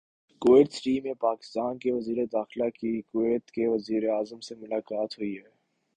Kuwait city میں پاکستان کے وزیر داخلہ کی کویت کے وزیراعظم سے ملاقات ہوئی ہے